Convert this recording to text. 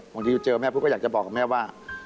พอทีเจอแม่พ่อพ่อก็อยากจะบอกบอกแม่ว่า